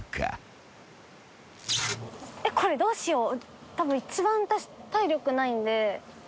これどうしよう？